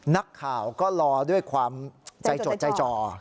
นักข่าวก็รอด้วยความใจจดใจจ่อ